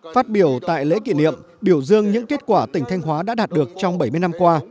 phát biểu tại lễ kỷ niệm biểu dương những kết quả tỉnh thanh hóa đã đạt được trong bảy mươi năm qua